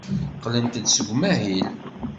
Qqlent-d seg umahil.